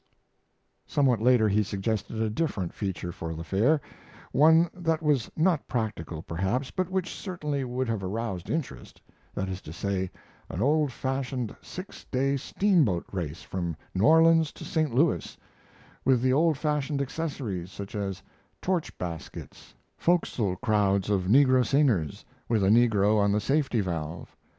Somewhat later he suggested a different feature for the fair; one that was not practical, perhaps, but which certainly would have aroused interest that is to say, an old fashioned six day steamboat race from New Orleans to St. Louis, with the old fashioned accessories, such as torch baskets, forecastle crowds of negro singers, with a negro on the safety valve.